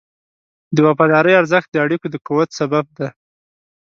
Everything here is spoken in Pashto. د وفادارۍ ارزښت د اړیکو د قوت سبب دی.